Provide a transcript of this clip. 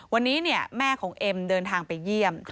วันนี้แม่ของเอ็มเดินทางไปเยี่ยม